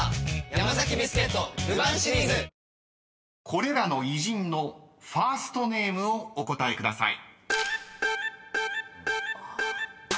［これらの偉人のファーストネームをお答えください］